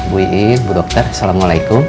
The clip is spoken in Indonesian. bu iii bu dokter assalamualaikum